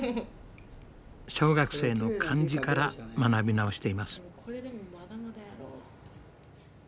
小学生の漢字から学び直しています。